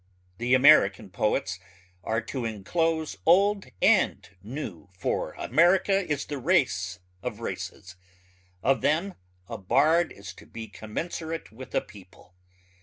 The American poets are to enclose old and new for America is the race of races. Of them a bard is to be commensurate with a people.